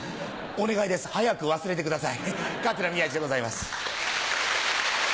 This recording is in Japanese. お願いです早く忘れてください桂宮治でございます。